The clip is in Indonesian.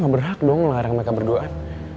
gak berhak dong larang mereka berduaan